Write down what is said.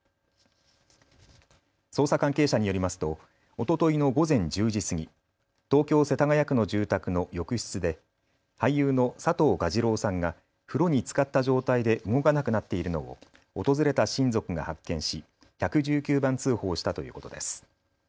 捜査関係者によりますとおとといの午前１０時過ぎ、東京世田谷区の住宅の浴室で俳優の佐藤蛾次郎さんが風呂につかった状態で動かなくなっているのを訪れた親族が発見し、１１９番通報したということです。